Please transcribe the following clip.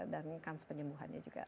dan kams penyembuhannya juga